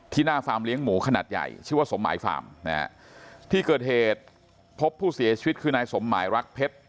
หน้าฟาร์มเลี้ยงหมูขนาดใหญ่ชื่อว่าสมหมายฟาร์มนะฮะที่เกิดเหตุพบผู้เสียชีวิตคือนายสมหมายรักเพชร